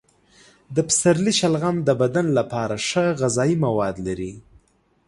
د پسرلي شلغم د بدن لپاره ښه غذايي مواد لري.